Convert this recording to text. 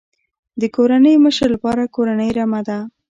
د کورنۍ مشر لپاره کورنۍ رمه ده.